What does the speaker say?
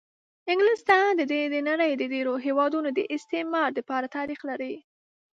انګلستان د د نړۍ د ډېرو هېوادونو د استعمار دپاره تاریخ لري.